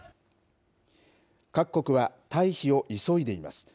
各国は退避を急いでいます。